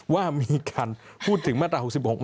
ว่ามีการพูดถึงมาตรา๖๖